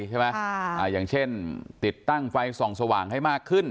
ใช่ไหมค่ะอ่าอย่างเช่นติดตั้งไฟส่องสว่างให้มากขึ้น